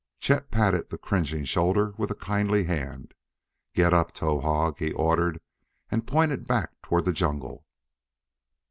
Chet patted the cringing shoulder with a kindly hand. "Get up, Towahg," he ordered and pointed back toward the jungle.